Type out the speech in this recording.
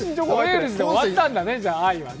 ホエールズで終わったんだね、愛はね。